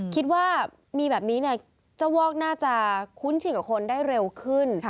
คิดว่ามีแบบนี้เนี่ยเจ้าวอกน่าจะคุ้นชินกับคนได้เร็วขึ้น